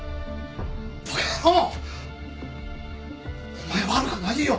お前悪くないよ